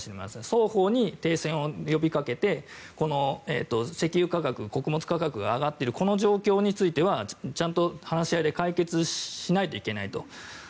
双方に停戦を呼び掛けて石油価格、穀物価格が上がっているこの状況についてはちゃんと話し合いで解決しないといけないと。